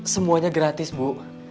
semuanya gratis bu